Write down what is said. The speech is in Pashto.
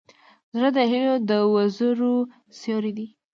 زړه د هيلو د وزرو سیوری دی.